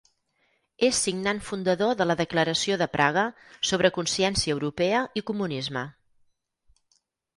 És signant fundador de la Declaració de Praga sobre Consciència Europea i Comunisme.